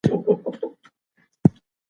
که شرم وي نو بد کار نه کیږي.